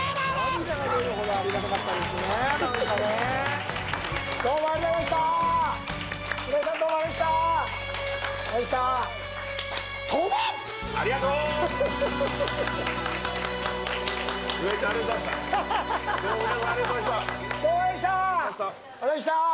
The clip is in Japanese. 組合長、ありがとうございました。